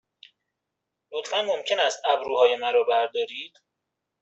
لطفاً ممکن است ابروهای مرا بردارید؟